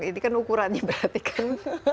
ini kan ukurannya berarti kan